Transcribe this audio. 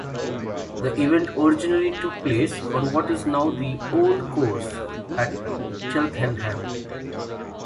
The event originally took place on what is now the "Old Course" at Cheltenham.